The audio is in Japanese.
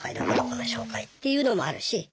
どこどこの紹介っていうのもあるし。